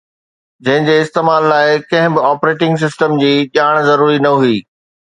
جنهن جي استعمال لاءِ ڪنهن به آپريٽنگ سسٽم جي ڄاڻ ضروري نه هئي